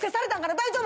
大丈夫？